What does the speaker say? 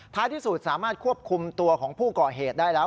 ที่สุดสามารถควบคุมตัวของผู้ก่อเหตุได้แล้ว